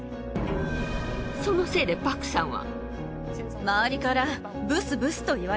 そのせいでパクさんは。